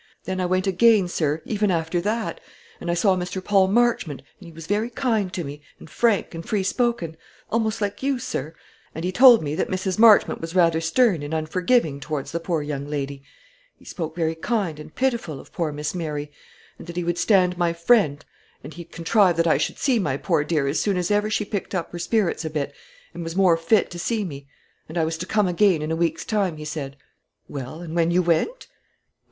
But I went again, sir, even after that; and I saw Mr. Paul Marchmont, and he was very kind to me, and frank and free spoken, almost like you, sir; and he told me that Mrs. Marchmont was rather stern and unforgiving towards the poor young lady, he spoke very kind and pitiful of poor Miss Mary, and that he would stand my friend, and he'd contrive that I should see my poor dear as soon as ever she picked up her spirits a bit, and was more fit to see me; and I was to come again in a week's time, he said." "Well; and when you went